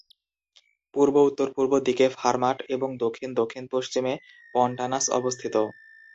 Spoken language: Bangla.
পূর্ব-উত্তরপূর্ব দিকে ফারমাট এবং দক্ষিণ-দক্ষিণপশ্চিমে পন্টানাস অবস্থিত।